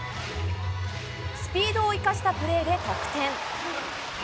スピードを生かしたプレーで得点。